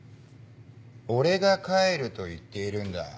俺が帰ると言っているんだ。